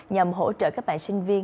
nhằm hỗ trợ các bạn sinh viên